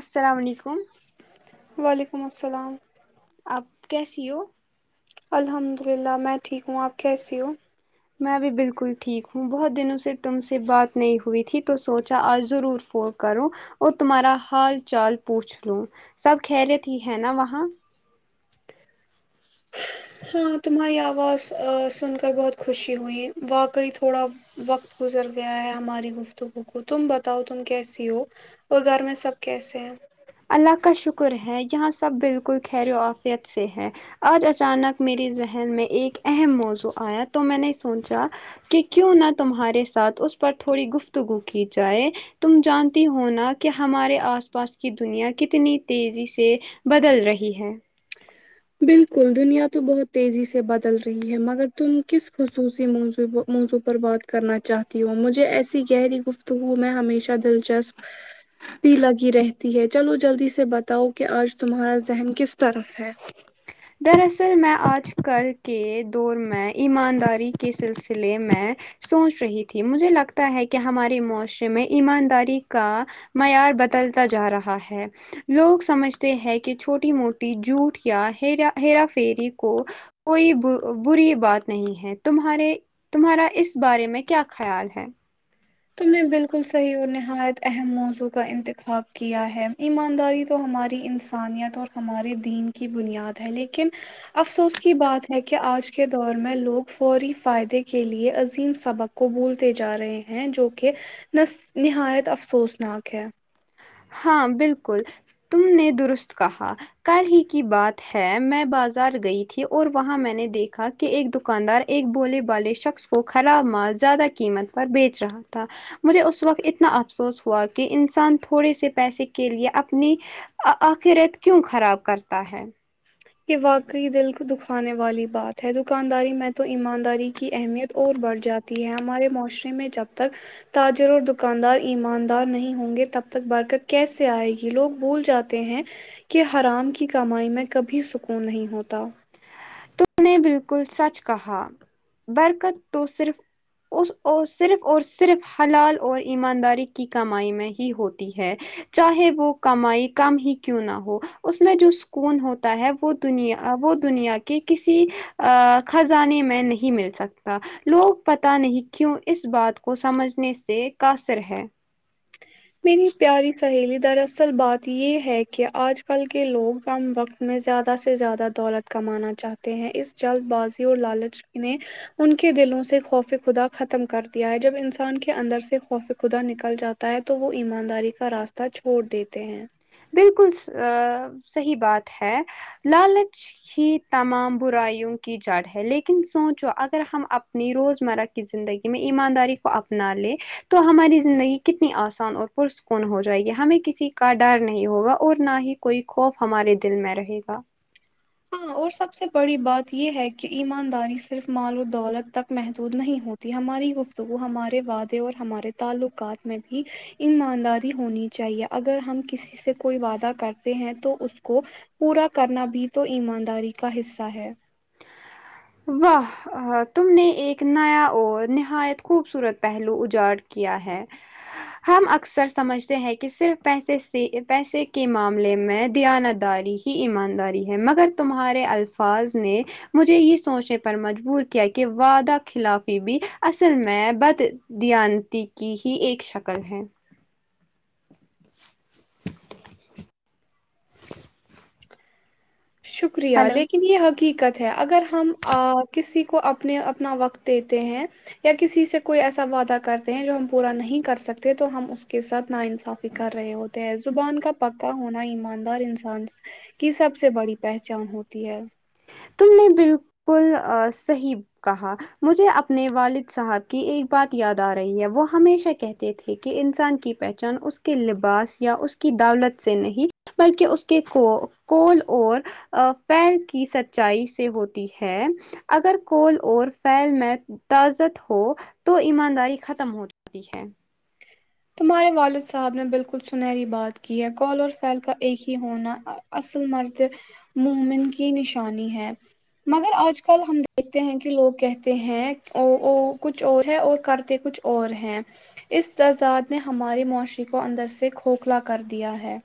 السلام وعلیکم وعلیکم السلام آپ کیسی ہو الحمد للہ میں ٹھیک ہوں آپ کیسی ہو میں بھی بالکل ٹھیک ہوں بہت دنوں سے تم سے بات نہیں ہوئی تھی تو سوچا آج ضرور فون کروں اور تمہارا حال چال پوچھ لوں سب خریت ہی ہے نا وہاں ہاں تمہاری آواز سن کر بہت خوشی ہوئی واقعی تھوڑا وقت گزر گیا ہے ہماری گفتگو کو تم بتاؤ تم کیسی ہو اور گھر میں سب کیسے ہیں اللہ کا شکر ہے یہاں سب بالکل خیر و آفیت سے ہے آج اچانک میرے ذہن میں ایک اہم موضوع آیا تو میں نے سوچا کہ کیوں نہ تمہارے ساتھ اس پر تھوڑی گفتگو کی جائے تم جانتی ہو نا کہ ہمارے آس پاس کی دنیا کتنی تیزی سے بدل رہی ہے بالکل دنیا تو بہت تیزی سے بدل رہی ہے مگر تم کس خصوصی موضوع کو موضوع پر بات کرنا چاہتی ہوں مجھے ایسی گہری گفتگو میں ہمیشہ دلچسپ پ لگی رہتی ہے چلو جلدی سے بتاؤ کہ آج تمہارا ذہن کس طرف ہے دراصل میں آج کل کے دور میں ایمانداری کے سلسلے میں سوچ رہی تھی مجھے لگتا ہے کہ ہمارے معاشرے میں ایمانداری کا معیار بدلتا جا رہا ہے لوگ سمجھتے ہیں کہ چھوٹی موٹی جوٹ یا ہا ہیرافیری کو کوئی بری بات نہیں ہے تمہارے تمہارا اس بارے میں کیا خیال ہے تم نے بالکل صحیح اور نہایت اہم موضوع کا انتخاب کیا ہے ایمانداری تو ہماری انسانیت اور ہمارے دین کی بنیاد ہے لیکن افسوس کی بات ہے کہ آج کے دور میں لوگ فوری فائدے کے لئے عظیم سبق کو بولتے جا رہے ہیں جو کہ نہایت افسوسناک ہے ہاں بالکل تم نے درست کہا کل ہی کی بات ہے میں بازار گئی تھی اور وہاں میں نے دیکھا کہ ایک دکاندار ایک بولے والے شخص کو خراب مال زیادہ قیمت پر بیچ رہا تھا مجھے اس وقت اتنا افسوس ہوا کہ انسان تھوڑے سے پیسے کے لیے اپنی آخرت کیوں خراب کرتا ہے یہ واقعی دل کو دکھانے والی بات ہے دکانداری میں تو ایمانداری کی اہمیت اور بڑھ جاتی تی ہے ہمارے معاشرے میں جب تک تاجر اور دکاندار ایماندار نہیں ہوں گے تب تک برکت کیسے آئے گی لوگ بھول جا تے ہیں کہ حرام کی کمائی میں کبھی سکون نہیں ہوتا تم نے بالکل سچ کہا برکت تو صرف اس صرف اور صرف حلال اور ایمانداری کی کمائی میں ہی ہوتی ہے چاہے وہ کمائی کم ہی کیوں نہ ہو اس میں جو سکون ہوتا ہے وہ دنیا وہ دنیا کے کسی خزانے میں نہیں مل سکتا لوگ پتا نہیں کیوں اس بات کو سمجھنے سے قاصر ہے میری پیاری سہیلی در اصل بات یہ ہے کہ آج کل کے لوگ کم وقت میں زیادہ سے زیادہ دولت کمانا چاہتے ہیں اس جلد بازی اور لالچ نے ان کے دلوں سے خوف خدا ختم کر دیا ہے جب انسان کے اندر سے خوف خدا نکل جاتا ہے تو وہ ایمانداری کا راستہ چھوڑ دیتے ہیں بالکل صحیح بات ہے لالچ ہی تمام برائیوں کی جڑ ہے لیکن سوچو اگر ہم اپنی روزمرہ کی زندگی میں ایمانداری کو اپنا لے تو ہماری زندگی کتنی آسان اور پرسکون ہو جائے گی ہمیں کسی کا ڈر نہیں ہوگا اور نہ ہی کوئی خوف ہمارے دل میں رہے گا ہاں اور سب سے بڑی بات یہ ہے کہ ایمانداری صرف مال و دولت تک محدود نہیں ہو تی ہماری گفتگو ہمارے وعدے اور ہمارے تعلقات میں بھی ایمانداری ہونی چاہیے اگر ہم کسی سے کوئی وعدہ کرتے ہیں تو اس کو پورا کرنا بھی تو ایمانداری کا حصہ ہے واہ تم نے ایک نیا اور نہایت خوبصورت پہلو اجاڑ کیا ہے ہم اکثر سمجھتے ہیں کہ صرف پیسے سے پیسے کے معاملے میں دیانتداری ایمانداری ہے مگر تمہارے الفاظ نے مجھے یہ سوچنے پر مجبور کیا کہ وعدہ خلافی بھی اصل میں بد دیانتی کی ہی ایک شکل ہے شکریہ ہیلو! لیکن یہ حقیقت ہے اگر ہم کسی کو اپنے اپنا وقت دیتے ہیں یا کسی سے کوئی ایسا وعدہ کرتے ہیں جو ہم پورا نہیں کر سکتے تو ہم اس کے ساتھ ناانصافی کر رہے ہو زبان کا پکا ہونا ایماندار انسان کی سب سے بڑی پہچان ہوتی ہے تم نے بالکل صحیح کہا مجھے اپنے والد صاحب کی ایک بات یاد آ رہی ہے وہ ہمیشہ کہتے تھے کہ انسان کی پہ چان اس کے لباس یا اس کی دولت سے نہیں بلکہ اس کے کول اور پیل کی سط چائی سے ہوتی ہے اگر کول اور فیل میں تازت ہو تو ایمانداری ختم ہو جاتی ہے تمہارے والد صاحب نے بالکل سنہری بات کی ہے کال اور فیل کا ایک ہی ہونا اصل مرد مومن کی نشانی ہے مگر آج کل ہم دیکھتے ہیں کہ لوگ کہتے ہیں کچھ اور ہے اور کرتے کچھ اور ہیں اس تضاد نے ہماری معاشرے کو اندر سے کھوکھلا کر دیا ہے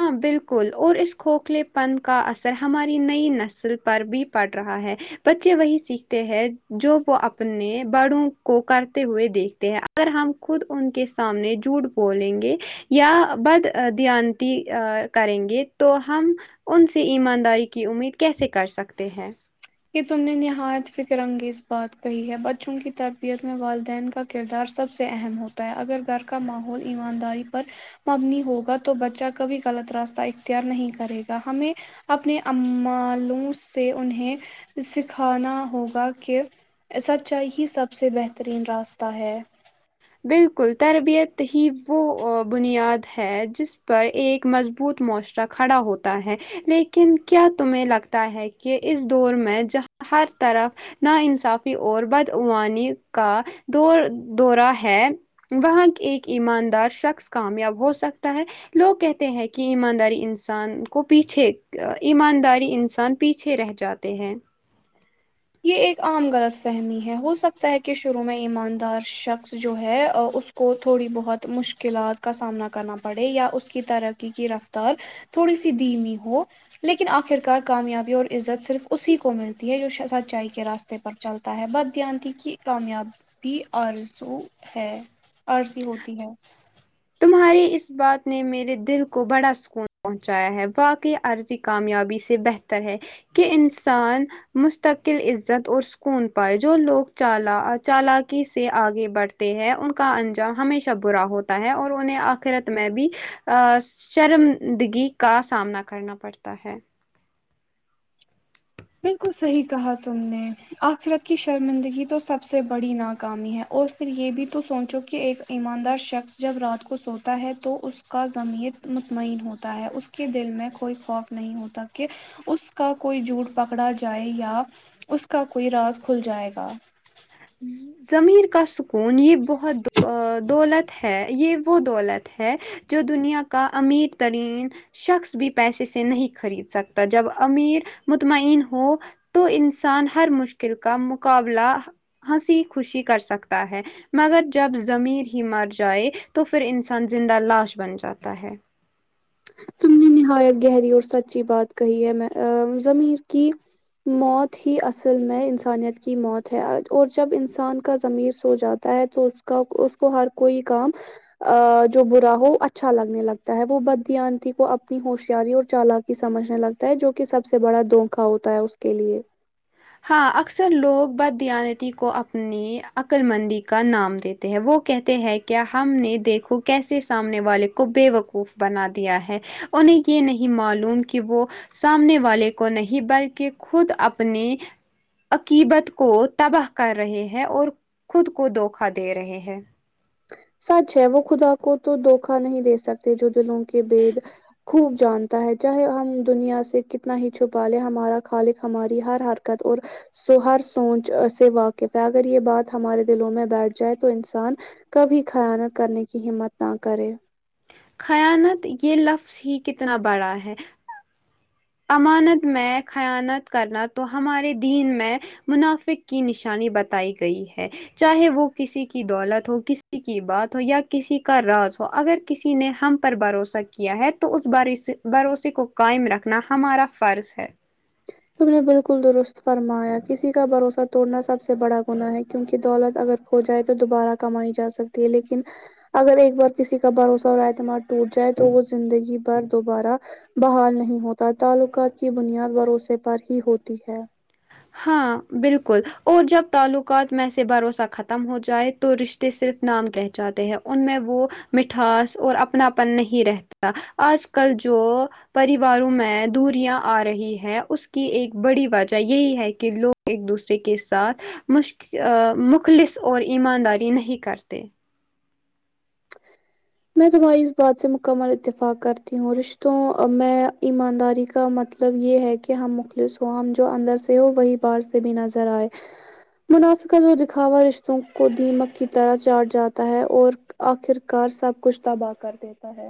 ہاں بالکل اور اس کھوکھلے پن کا اثر ہماری نئی نسل پر بھی پڑ رہا ہے بچے وہی سیکھتے ہیں جو وہ اپنے بڑوں کو کرتے ہوئے دیکھتے ہیں اگر ہم خود ان کے سامنے جھوٹ بولیں گے یا بد دیان تی کریں گے تو ہم ان سے ایمانداری کی امید کیسے کر سکتے ہیں کہ تم نے نہایت فکر انگیز بات کہی ہے بچوں کی تربیت میں والدین کا کردار سب سے اہم ہوتا ہے اگر گھر کا ماحول ایمانداری پر مبنی ہوگا تو بچہ کبھی غلط راستہ اختیار نہیں کرے گا ہمیں اپنے امالوں سے انہیں سکھانا ہوگا کہ سچائی ہی سب سے بہترین راستہ ہے بالکل تربیت ہی وہ بنیاد ہے جس پر ایک مضبوط معاشر کھڑا ہوتا ہے لیکن کیا تمہیں لگتا ہے کہ اس دور میں جہاں ہر طرف ناانصافی اور بدعوانی کا دور دورہ ہے ہے وہاں ایک ایماندار شخص کامیاب ہو سکتا ہے لوگ کہتے ہیں کہ ایمانداری انسان کو پیچھے ایمانداری انسان پیچھے پیچھے رہ جاتے ہیں یہ ایک عام غلط فہمی ہے ہو سکتا ہے کہ شروع میں ایماندار شخص جو ہے اس کو تھوڑی بہت مشکلات کا سامنا کرنا پڑے یا اس کی ترقی کی رفتار تھوڑی سی دھیمی ہو لیکن آخر کار کامیابی اور عزت صرف اسی کو ملتی ہے جو شہزا اونچائی کے راستے پر چلتا ہے بدان کی کامیاب پ آرزو ہے آرزی ہوتی ہے تمہاری اس بات نے میرے دل کو بڑا سکون پہنچایا ہے واقعی عرضی کامیابی سے بہتر تا ہے کہ انسان مستقل عزت اور سکون پائے جو لوگ چال چالاکی سے آگے بڑھتے ہیں ان کا انجام ہمیشہ برا ہوتا ہے اور انہیں آخرت میں بھی ا شرمندگی کا سامنا کرنا پڑتا ہے بالکل صحیح کہا تم نے آخرت کی شرمندگی تو سب سے بڑی ناکامی ہے اور پھر یہ بھی تو سوچو کہ ایک ایماندار شخص جب رات کو سوتا ہے تو اس کا ضمیر مطمئن ہوتا ہے اس کے دل میں کوئی خوف نہیں ہوتا کہ اس کا کوئی جھوٹ پکڑا جائے یا اس کا کوئی راز کھل جائے گا ضمیر کا سکون ہی بہت دولت ہے یہ وہ دولت ہے جو دنیا کا امیر ترین شخص بھی پیسے سے نہیں خرید سکتا جب امیر مطمئن ہو تو انسان ہر مشکل کا مقابلہ ہنسی خوشی کر سکتا ہے مگر جب ضمیر ہی مر جائے تو پھر انسان زندہ لاش بن جاتا ہے تم نے نہایت گہری اور سچی بات کہی ہے میں ضمیر کی موت ہی اصل میں انسانیت کی موت ہے اور جب انسان کا ضمیر سو جاتا تا ہے تو اس کا اس کو ہر کوئی کام ا جو برا ہو اچھا لگنے لگتا ہے وہ ب دانتی کو اپنی ہوشیاری اور چالاکی سمجھنے لگتا ہے جو کہ سب سے بڑا دھوکا ہوتا ہے اس کے لیے ہاں اکثر لوگ بددانتی کو اپنی عقل مندی کا نام دیتے ہیں وہ کہتے ہیں کیا ہم نے دیکھو کیسے سامنے والے کو بےوقوف بنا دیا ہے انہیں یہ نہیں معلوم کہ وہ سامنے والے کو نہیں بلکہ خود اپنے عقیبت کو تباہ کر رہے ہیں اور خود کو دھوکا دے رہے ہیں سچ ہے وہ خدا کو تو دھوکا نہیں دے سکتے جو دلوں کے بد خوب جانتا ہے چاہے ہم دنیا سے کتنا ہی چھپا لے ہمارا خالق ہماری ہر ہر اور سو ہر سوچ سے واقف ہے اگر یہ بات ہمارے دلوں میں بیٹھ جائے تو انسان کبھی خیانت کرنے کی ہمت نہ کرے خیانت یہ لفظ ہی کتنا بڑا ہے امانت میں خیانت کرنا تو ہمارے دین میں منافق کی نشانی بتائی گئی ہے چاہے وہ کسی کی دولت ہو کسی کی بات ہو یا کسی کا راز ہو اگر کسی نے ہم پر بھروسہ کیا ہے تو اس بھروسے بھروسے کو قایم رکھ رکھنا ہمارا فرض ہے تم نے بالکل درست فرمایا کسی کا بھروسہ توڑنا سب سے بڑا گناہ ہے کیونکہ دولت اگر ہو جائے تو دوبارہ کمائی جا سکتی ہے لیکن اگر ایک بار کسی کا بھروسہ اور اعتماد ٹوٹ جائے تو وہ زندگی بھر دوبارہ بحال نہیں ہوتا تعلقات کی بنیاد بھروسے پر ہی ہوتی ہے ہاں بالکل اور جب تعلقات میں سے بھروسہ ختم ہو جائے تو رشتے کے صرف نام رہ جاتے ہیں ان میں وہ مٹھاس اور اپناپن نہیں رہتا آج کل جو پریواروں میں دوریاں آ رہی ہے اس کی ایک بڑی وجہ یہی ہے کہ لوگ ایک دوسرے کے ساتھ مش مخلص اور ایمانداری نہیں کرتے میں تمہاری اس بات سے مکمل اتفاق کرتی ہوں رشتوں اور میں ایمانداری کا مطلب مطلب یہ ہے کہ ہم مخلص ہوں ہم جو اندر سے ہو وہی باہر سے بھی نظر آئے منافقت اور دکھاوا رشتوں کو دیمک کی طرح چاٹ جاتا ہے اور آخر کار سب کچھ تباہ کر دیتا ہے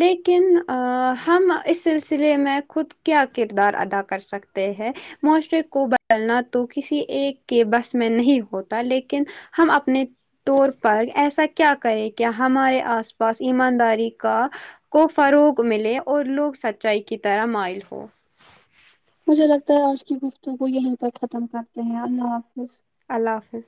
لیکن ہم اس سلسلے میں خود کیا کردار ادا کر سکتے ہیں معاشرے کو بدلنا تو کسی ایک کے بس میں نہیں ہوتا لیکن ہم اپنے طور پر ایسا کیا کریں کہ ہمارے آس پاس ایمانداری کا کو فروغ ملے اور لوگ سچائی کی طرح مائل ہوں مجھے لگتا ہے آج کی گفتو کو یہیں پر ختم کرتے ہیں اللہ حافظ اللہ حافظ